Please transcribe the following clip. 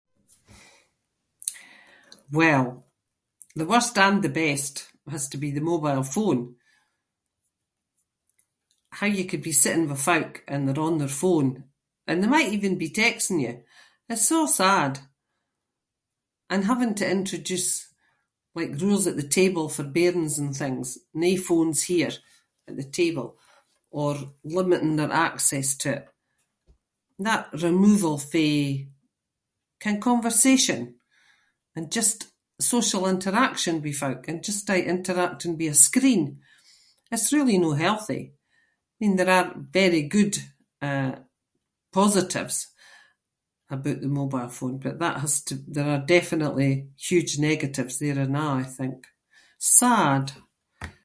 Well, the worst and the best has to be the mobile phone- how you could be sitting with folk and they’re on their phone and they might even be texting you- it’s so sad. And having to introduce, like, rules at the table with bairns and things- no phones here at the table- or limiting their access to it- that removal fae, ken a conversation and just social interaction with folk and just aie interacting with a screen. It’s really no healthy. I mean there are very good, eh, positives aboot the mobile phone but that has to- there are definitely huge negatives there and a’ I think. Sad.